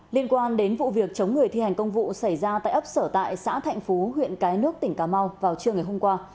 liên quan đến vụ việc chống người thi hành công vụ xảy ra tại ấp sở tại xã thạnh phú huyện cái nước tỉnh cà mau vào trưa ngày hôm qua